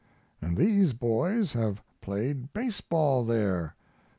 And these boys have played baseball there!